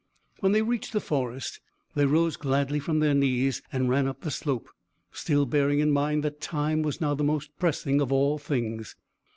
When they reached the forest, they rose gladly from their knees, and ran up the slope, still bearing in mind that time was now the most pressing of all things.